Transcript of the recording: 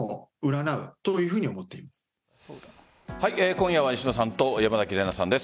今夜は石戸さんと山崎怜奈さんです。